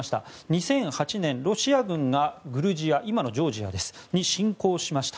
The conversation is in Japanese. ２００８年、ロシア軍がグルジア、今のジョージアに侵攻しました。